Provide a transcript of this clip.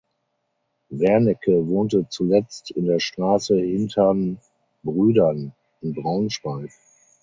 Wernicke wohnte zuletzt in der Straße "Hintern Brüdern" in Braunschweig.